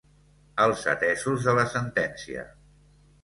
Els atesos de la sentència.